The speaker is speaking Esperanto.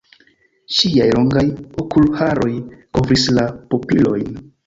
Ŝiaj longaj okulharoj kovris la pupilojn.